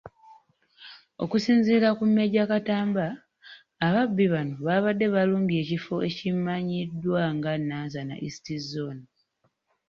Okusinziira ku Maj. Katamba, ababbi bano baabadde balumbye ekifo ekimanyiddwa nga Nansana East zooni.